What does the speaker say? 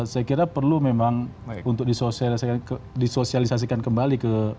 saya kira perlu memang untuk disosialisasikan kembali ke